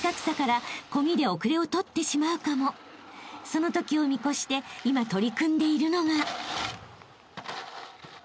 ［そのときを見越して今取り組んでいるのが］